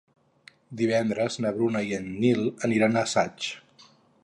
Divendres na Bruna i en Nil aniran a Saix.